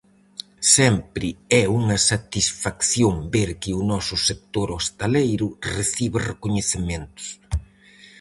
Sempre é unha satisfacción ver que o noso sector hostaleiro recibe recoñecementos.